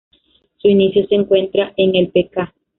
Su inicio se encuentra en el p.k.